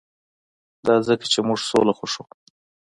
دا ځکه چې موږ سوله خوښوو